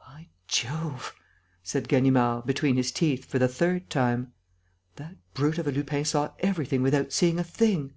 "By Jove!" said Ganimard, between his teeth, for the third time. "That brute of a Lupin saw everything without seeing a thing!"